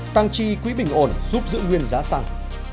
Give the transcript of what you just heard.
tăng chi quỹ bình ổn giúp giữ nguyên giá xăng